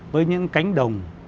với những cánh đồng